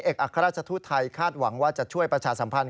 อัครราชทูตไทยคาดหวังว่าจะช่วยประชาสัมพันธ